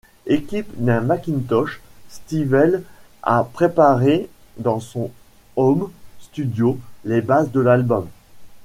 Équipe d'un Macintosch, Stivell a préparé dans son home studio les bases de l'album.